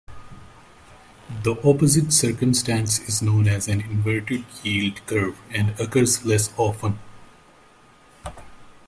The opposite circumstance is known as an inverted yield curve and occurs less often.